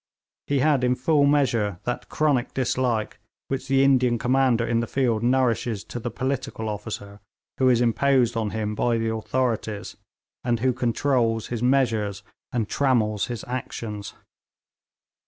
He had in full measure that chronic dislike which the Indian commander in the field nourishes to the political officer who is imposed on him by the authorities, and who controls his measures and trammels his actions.